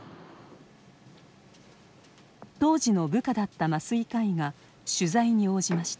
当時の部下だった麻酔科医が取材に応じました。